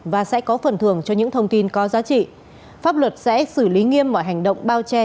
và sẽ có phần thường cho những thông tin có giá trị pháp luật sẽ xử lý nghiêm mọi hành động bao che